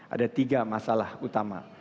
ada tiga masalah utama